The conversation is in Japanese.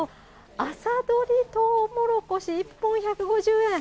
朝取りトウモロコシ、１本１５０円。